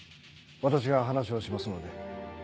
私が話をしますので。